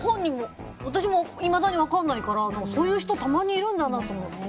私もいまだに分からないからそういう人たまにいるんだなと思って。